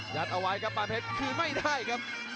ยัดเอาไว้ครับปานเพชรคืนไม่ได้ครับ